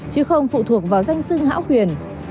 chứ không phụ thuộc vào danh sư hảo quyền